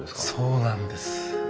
そうなんです。